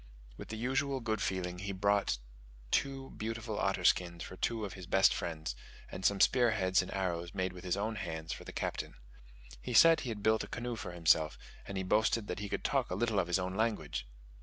With his usual good feeling he brought two beautiful otter skins for two of his best friends, and some spear heads and arrows made with his own hands for the Captain. He said he had built a canoe for himself, and he boasted that he could talk a little of his own language!